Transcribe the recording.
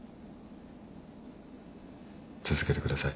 続けてください。